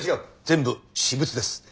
全部私物です。